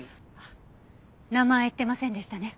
名前言ってませんでしたね。